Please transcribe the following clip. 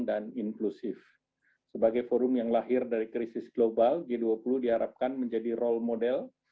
dan inklusif sebagai forum yang lahir dari krisis global g dua puluh diharapkan menjadi role model